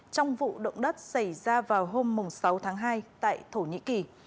trong vụ động đất xảy ra vào hôm sáu tháng hai tại thổ nhĩ kỳ